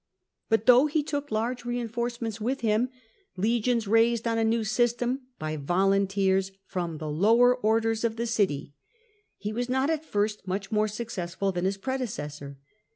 But though he took large reinforcements with him, legions raised on a new system, by volunteers from the lower orders of the city, he was not at first much more successful than his predecessor.